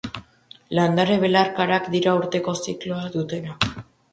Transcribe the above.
Landare belarkarak dira, urteko zikloa dutenak.